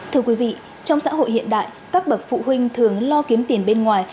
thưa quý vị trong xã hội hiện đại các bậc phụ huynh thường lo kiếm tiền bên ngoài